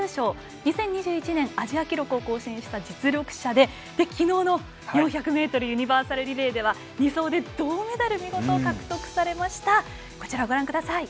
２０２１年アジア記録を更新した実力者で昨日の４００ｍユニバーサルリレーでは２走で銅メダルを見事獲得されました。